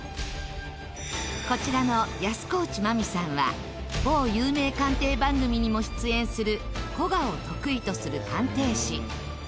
こちらの安河内眞美さんは某有名鑑定番組にも出演する古画を得意とする鑑定士。